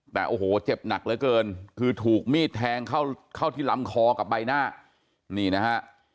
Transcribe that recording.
แต่โอ้โหเจ็บหนักเหลือเกินคือถูกมีดแทงเข้าที่ลำคอกับใบหน้านี่นะฮะ